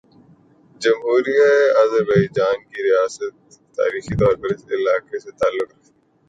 جمہوریہ آذربائیجان کی ریاست تاریخی طور پر اس علاقے سے تعلق رکھتی ہے